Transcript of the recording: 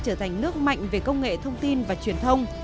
trở thành nước mạnh về công nghệ thông tin và truyền thông